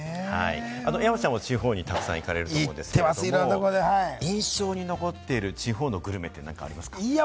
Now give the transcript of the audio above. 山ちゃんも地方にたくさん行かれると思うんですけれども、印象に残っている地方のグルメって何かありますか？